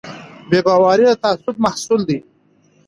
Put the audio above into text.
بې باوري د تعصب محصول دی